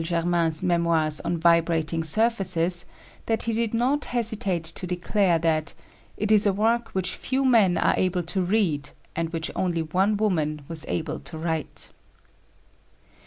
Germain's memoirs on vibrating surfaces that he did not hesitate to declare that "it is a work which few men are able to read and which only one woman was able to write."